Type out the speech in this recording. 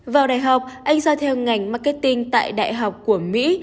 vào đại học anh ra theo ngành marketing tại đại học của mỹ